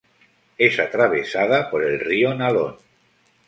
Es atravesada por el río Nalón.